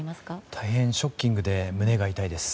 大変ショッキングで胸が痛いです。